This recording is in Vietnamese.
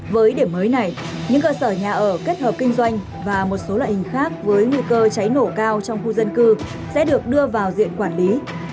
với điểm mới này những cơ sở nhà ở kết hợp kinh doanh và một số loại hình khác với nguy cơ cháy nổ cao trong khu dân cư sẽ được đưa vào diện quản lý